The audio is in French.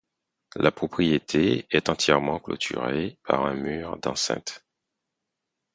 La propriété est entièrement clôturée par un mur d'enceinte.